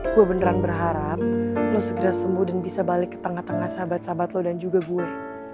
gue beneran berharap lo segera sembuh dan bisa balik ke tengah tengah sahabat sahabat lo dan juga gue